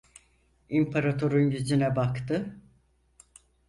İmparator'un yüzüne baktı...